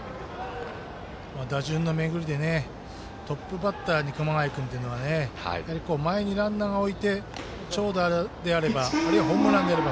打順の巡りでトップバッターに熊谷君というのはやはり前にランナーを置いて長打であればあるいはホームランであれば